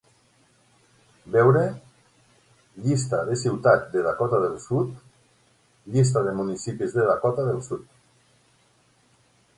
Veure: llista de ciutats de Dakota del Sud, llista de municipisde Dakota del Sud.